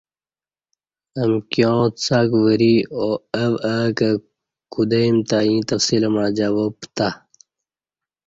امکیاں څک وری او او کہ کُودئیم تہ ییں تفصیل مع جواب پتہ